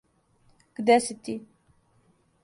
Где си ти!